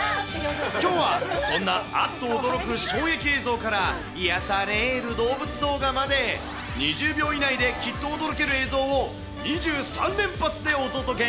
きょうはそんなあっと驚く衝撃映像から、いやされーる動物動画まで、２０秒以内できっと驚ける映像を２３連発でお届け。